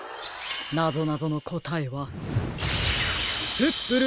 なぞなぞのこたえはプップル